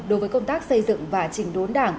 đối với công tác xây dựng và trình đốn đảng